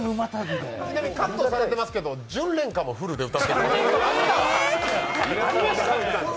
ちなみにカットされてますけど「巡恋歌」もフルで歌ってます。